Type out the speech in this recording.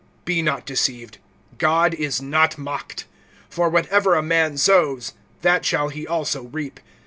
(7)Be not deceived; God is not mocked; for whatever a man sows, that shall he also reap.